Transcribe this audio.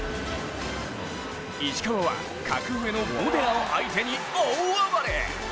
石川は格上のモデナを相手に大暴れ。